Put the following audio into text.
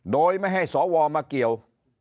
โดยไม่ให้สวมาเกี่ยว